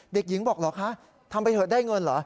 เด็กหญิงบอกเหรอคะทำไปเถอะได้เงินเหรอ